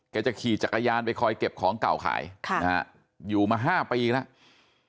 จะขี่จักรยานไปคอยเก็บของเก่าขายอยู่มา๕ปีแล้ว